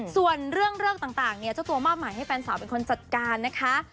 ส่วนเรื่องเลิกต่างเนี่ยเจ้าตัวมอบหมายให้แฟนสาวเป็นคนจัดการนะคะ